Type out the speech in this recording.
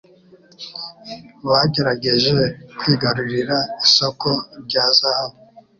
Bagerageje kwigarurira isoko rya zahabu.